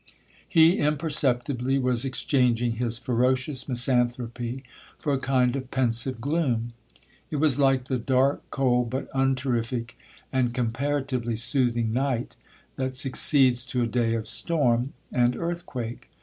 He imperceptibly was exchanging his ferocious misanthropy for a kind of pensive gloom.—It was like the dark, cold, but unterrific and comparatively soothing night, that succeeds to a day of storm and earthquake.